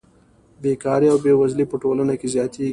بېکاري او بېوزلي په ټولنه کې زیاتېږي